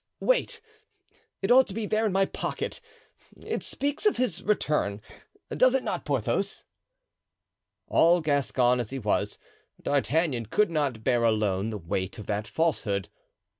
"Wait, it ought to be there in my pocket; it speaks of his return, does it not, Porthos?" All Gascon as he was, D'Artagnan could not bear alone the weight of that falsehood.